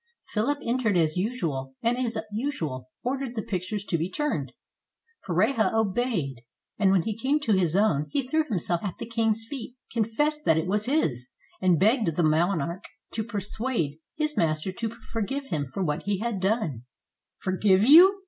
Philip entered as usual, and as usual ordered the pictures to be turned. Pareja obeyed; and when he came to his own, he threw himself at the king's feet, confessed that it was his, and begged the monarch to persuade his master to forgive him for what he had done. "Forgive you?"